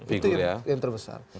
itu yang terbesar